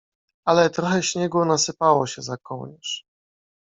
Ale trochę śniegu nasypało się za kołnierz.